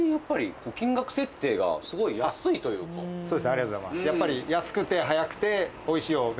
やっぱでもそうですねありがとうございます